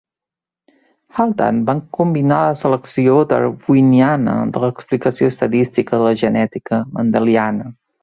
Haldane, van combinar la selecció darwiniana de l'explicació estadística de la genètica mendeliana.